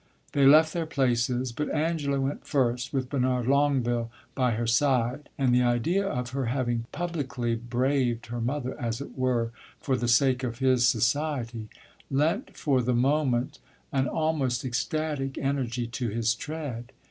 They left their places, but Angela went first, with Bernard Longueville by her side; and the idea of her having publicly braved her mother, as it were, for the sake of his society, lent for the moment an almost ecstatic energy to his tread.